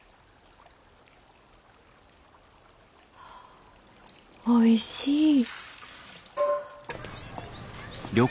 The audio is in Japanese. あおいしい。